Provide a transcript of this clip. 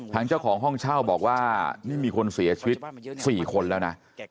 เจ้าของห้องเช่าบอกว่านี่มีคนเสียชีวิต๔คนแล้วนะ